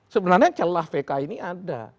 sebenarnya celah pk ini ada